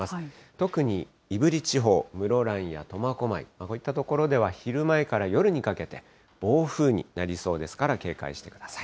特に胆振地方、室蘭や苫小牧、こういった所では昼前から夜にかけて、暴風になりそうですから、警戒してください。